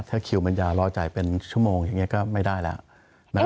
ถ้าคิวมันยาวรอจ่ายเป็นชั่วโมงอย่างนี้ก็ไม่ได้แล้ว